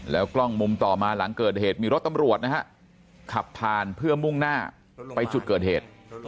กล้องมุมต่อมาหลังเกิดเหตุมีรถตำรวจนะฮะขับผ่านเพื่อมุ่งหน้าไปจุดเกิดเหตุ